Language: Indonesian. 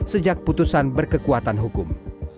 sejak putusan berkekuatan hukum